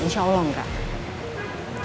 insya allah enggak